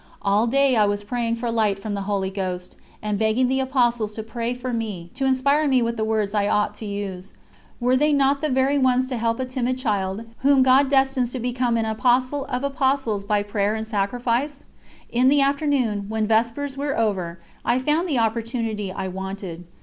All day I was praying for light from the Holy Ghost, and begging the Apostles to pray for me, to inspire me with the words I ought to use. Were they not the very ones to help a timid child whom God destines to become an apostle of apostles by prayer and sacrifice? In the afternoon, when Vespers were over, I found the opportunity I wanted.